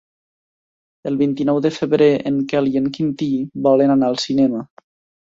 El vint-i-nou de febrer en Quel i en Quintí volen anar al cinema.